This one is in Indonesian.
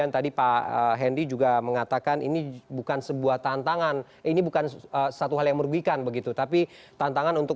terima kasih pak